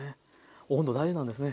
温度大事なんですね。